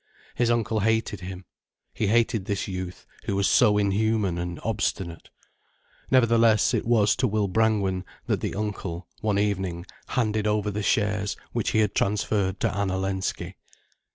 His uncle hated him. He hated this youth, who was so inhuman and obstinate. Nevertheless, it was to Will Brangwen that the uncle, one evening, handed over the shares which he had transferred to Anna Lensky.